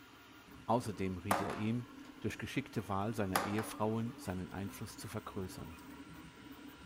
Außerdem riet er ihm, durch geschickte Wahl seiner Ehefrauen seinen Einfluss zu vergrößern.